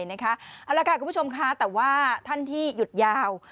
แล้วค่ะคุณผู้ชมแต่ว่าท่านที่หยุดยาว